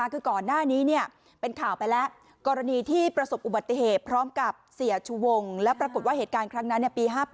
คือก่อนหน้านี้เป็นข่าวไปแล้วกรณีที่ประสบอุบัติเหตุพร้อมกับเสียชูวงแล้วปรากฏว่าเหตุการณ์ครั้งนั้นปี๕๘